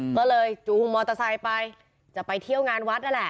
ก็เลยจูงมอเตอร์ไซค์ไปจะไปเที่ยวงานวัดนั่นแหละ